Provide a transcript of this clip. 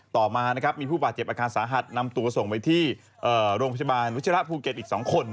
ต่อมามีผู้ป่าเจ็บอาการสาหัสนำตัวส่งไปที่โรงพยาบาลวิทยาละภูเก็ตอีก๒คน